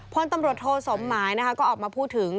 คนตำรวจโทรสมหมายก็ออกมาพูดถึง